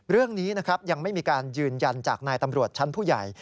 เรื่องนี้นะครับยังไม่มีการยืนยันจากนายตำรวจชั้นผู้ใหญ่